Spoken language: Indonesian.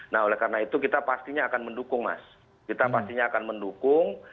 nah oleh karena itu kita pastinya akan mendukung mas kita pastinya akan mendukung